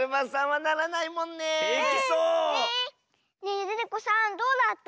ねえデテコさんどうだった？